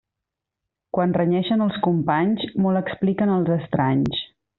Quan renyeixen els companys, molt expliquen als estranys.